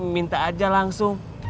minta aja langsung